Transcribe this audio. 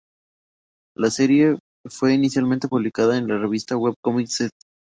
La serie fue inicialmente publicada en la revista web Comic Seed!